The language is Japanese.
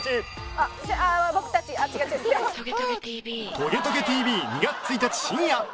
『トゲトゲ ＴＶ』２月１日深夜